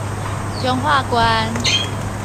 彰化縣